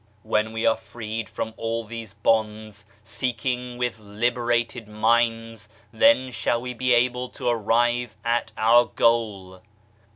When we are freed from all these bonds, seeking with liberated minds, then shall we be able to arrive at our goal.